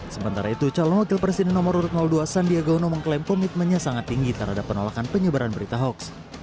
sementara itu calon wakil presiden nomor urut dua sandiaga uno mengklaim komitmennya sangat tinggi terhadap penolakan penyebaran berita hoax